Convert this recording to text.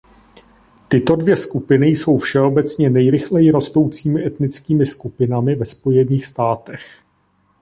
Tyto dvě skupiny jsou všeobecně nejrychleji rostoucími etnickými skupinami ve Spojených státech.